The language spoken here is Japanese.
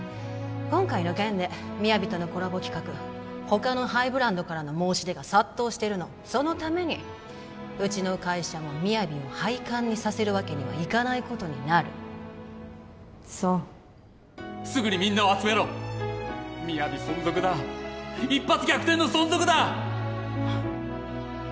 今回の件でＭＩＹＡＶＩとのコラボ企画他のハイブランドからの申し出が殺到してるのそのためにうちの会社もＭＩＹＡＶＩを廃刊にさせるわけにはいかないことになるそうすぐにみんなを集めろＭＩＹＡＶＩ存続だ一発逆転の存続だ